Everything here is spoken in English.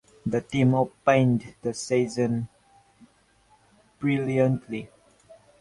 The team opened the season brilliantly.